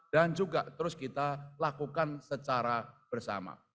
dan juga terus kita lakukan secara bersama